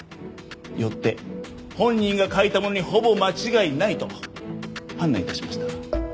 よって本人が書いたものにほぼ間違いないと判断致しました。